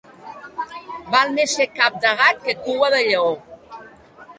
Val més ser cap de gat que cua de lleó.